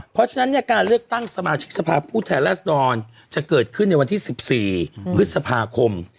เพราะฉะนั้นเนี่ยการเลือกตั้งสมาชิกสภาพผู้แทนรัศดรจะเกิดขึ้นในวันที่๑๔พฤษภาคม